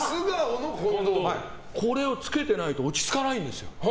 これを着けてないと落ち着かないんですよ。